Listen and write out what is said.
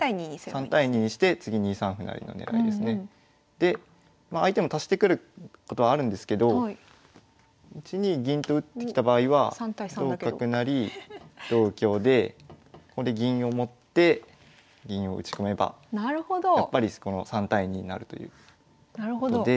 で相手も足してくることあるんですけど１二銀と打ってきた場合は同角成同香でここで銀を持って銀を打ち込めばやっぱり３対２になるということで。